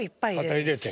肩入れて。